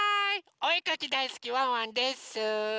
おえかきだいすきワンワンです！